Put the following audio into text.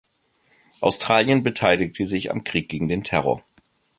Australien beteiligte sich am Krieg gegen den Terror.